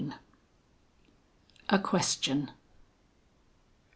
A QUESTION.